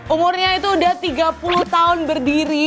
umurnya itu udah tiga puluh tahun berdiri